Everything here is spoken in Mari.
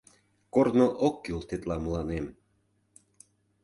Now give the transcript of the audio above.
Корно ок кӱл тетла мыланем —